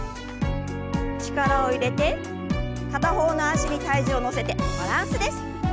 力を入れて片方の脚に体重を乗せてバランスです。